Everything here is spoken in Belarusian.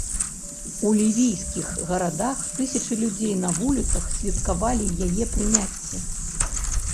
У лівійскіх гарадах тысячы людзей на вуліцах святкавалі яе прыняцце.